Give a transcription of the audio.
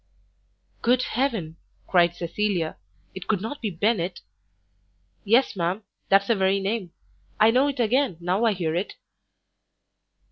"Good heaven!" cried Cecilia, "it could not be Bennet?" "Yes, ma'am, that's the very name; I know it again now I hear it."